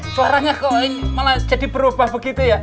suaranya kok ini malah jadi berubah begitu ya